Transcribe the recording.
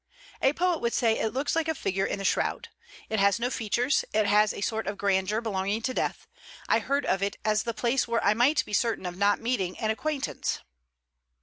'A poet would say it looks like a figure in the shroud. It has no features; it has a sort of grandeur belonging to death. I heard of it as the place where I might be certain of not meeting an acquaintance.'